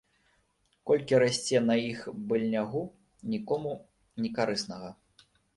Колькі расце на іх быльнягу, нікому некарыснага.